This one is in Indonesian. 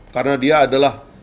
karena dia adalah